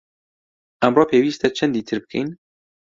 ئەمڕۆ پێویستە چەندی تر بکەین؟